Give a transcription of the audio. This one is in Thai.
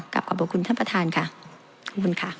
กลับกลับบุคคลท่านประธานค่ะขอบคุณค่ะ